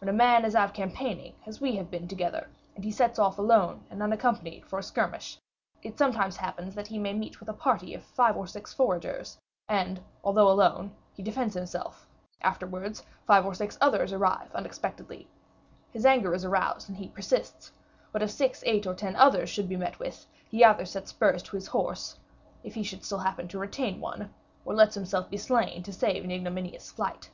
When a man is out campaigning, as we have been together, and he sets off alone and unaccompanied for a skirmish, it sometimes happens that he may meet with a party of five or six foragers, and although alone, he defends himself; afterwards, five or six others arrive unexpectedly, his anger is aroused and he persists; but if six, eight, or ten others should still be met with, he either sets spurs to his horse, if he should still happen to retain one, or lets himself be slain to save an ignominious flight.